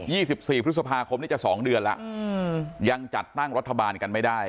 ยี่สี่สี่พฤษภาคมนี้จะสองเดือนละยังจัดตั้งรัฐบาลกัน